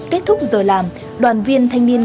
kết thúc giờ làm đoàn viên thanh niên